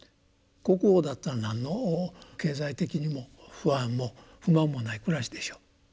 国王だったら何の経済的にも不安も不満もない暮らしでしょう。